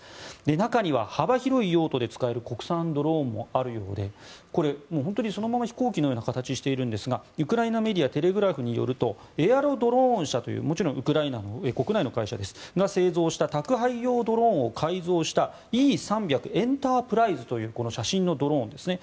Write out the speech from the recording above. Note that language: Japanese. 中には、幅広い用途で使える国産ドローンもあるようでこれ、本当にそのまま飛行機のような形をしているんですがウクライナメディアテレグラフによるとエアロドローン社というもちろん国内の会社が製造した宅配用ドローンを改造したＥ−３００エンタープライズというこの写真のドローンですね。